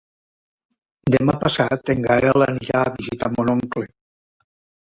Demà passat en Gaël anirà a visitar mon oncle.